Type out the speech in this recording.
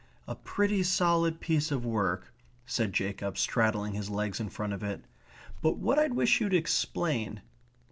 "A pretty solid piece of work," said Jacob, straddling his legs in front of it. "But what I wish you'd explain